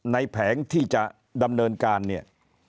แผงที่จะดำเนินการเนี่ย